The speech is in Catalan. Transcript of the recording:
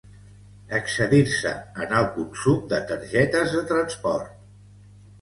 Excedir-se en el consum de targetes de transport.